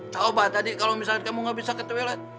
tau pak tadi kalau misalnya kamu ga bisa ke toilet